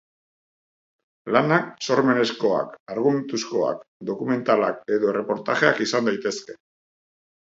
Lanak sormenezkoak, argumentuzkoak, dokumentalak edo erreportajeak izan daitezke.